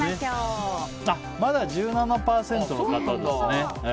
まだ１７％の方ですね。